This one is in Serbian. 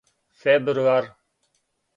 фебруар